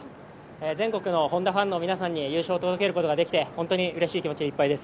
全国のＨｏｎｄａファンの皆さんに優勝を届けることができて本当にうれしい気持ちでいっぱいです。